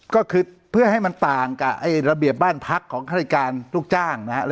ก็คือเพื่อให้มันต่างกับระเบียบบ้านพักของฆาติการลูกจ้างนะครับ